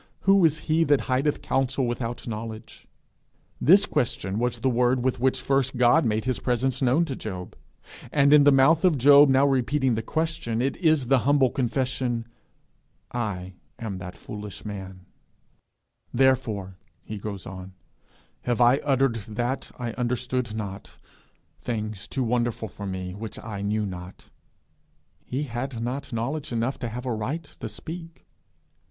Who is he that hideth counsel without knowledge?' This question was the word with which first God made his presence known to him; and in the mouth of Job now repeating the question, it is the humble confession, 'I am that foolish man.' 'Therefore,' he goes on, 'have I uttered that I understood not; things too wonderful for me, which I knew not.' He had not knowledge enough to have a right to speak.